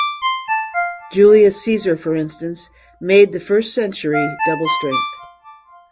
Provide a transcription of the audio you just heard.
Julius Caesar, for instance, made the first century double strength.